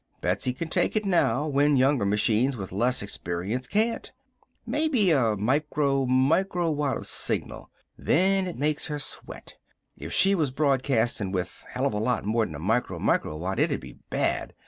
Betsy can take it now, when younger machines with less experience can't. Maybe a micro microwatt of signal. Then it makes her sweat. If she was broadcastin', with a hell of a lot more'n a micro microwatt it'd be bad!